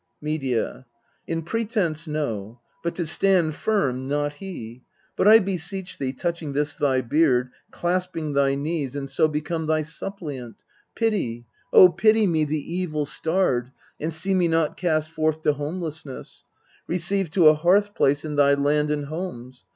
Medea. In pretence, no : but to stand firm not he ! But I beseech thee, touching this thy beard, Clasping thy knees, and so become thy suppliant Pity, O pity me the evil starred, And see me not cast forth to homelessness : Receive to a hearth place in thy land and homes.